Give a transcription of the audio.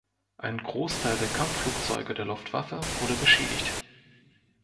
Ein Großteil der Kampfflugzeuge der Luftwaffe wurde beschädigt.